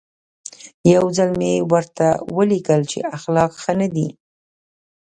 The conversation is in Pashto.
یو ځل مې ورته ولیکل چې اخلاق ښه نه دي.